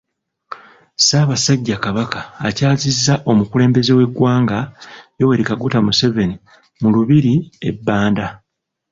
Ssaabasajja Kabaka akyazizza omukulembeze w'eggwanga, Yoweri Kaguta Museveni mu lubiri e Banda.